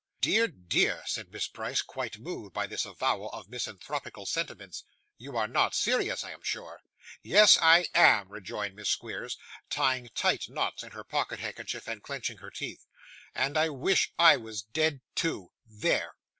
'Dear, dear,' said Miss Price, quite moved by this avowal of misanthropical sentiments. 'You are not serious, I am sure.' 'Yes, I am,' rejoined Miss Squeers, tying tight knots in her pocket handkerchief and clenching her teeth. 'And I wish I was dead too. There!